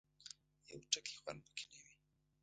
یو ټکی خوند پکې نه وي.